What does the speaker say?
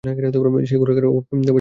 সে ঘোড়ার অপর পার্শ্বে ভূপাতিত হয়েছিল।